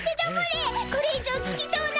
これ以上聞きとうない！